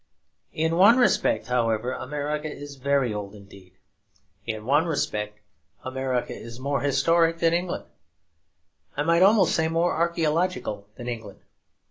In one respect, however, America is very old indeed. In one respect America is more historic than England; I might almost say more archaeological than England.